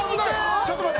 ちょっと待って。